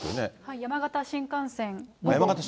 山形新幹線か。